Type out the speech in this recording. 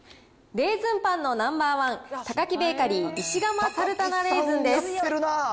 レーズンパンのナンバー１、タカキベーカリー、石窯サルタナレーズンです。